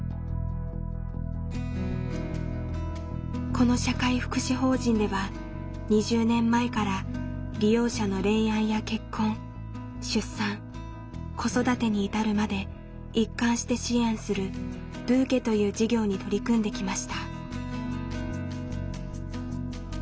この社会福祉法人では２０年前から利用者の恋愛や結婚出産子育てに至るまで一貫して支援する「ぶけ」という事業に取り組んできました。